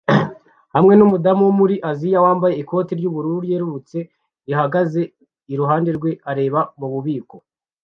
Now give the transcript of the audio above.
hamwe numudamu wo muri Aziya wambaye ikoti ryubururu ryerurutse rihagaze iruhande rwe areba mububiko